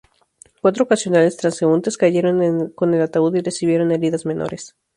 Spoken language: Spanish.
Cuatro ocasionales transeúntes cayeron con el alud y recibieron heridas menores.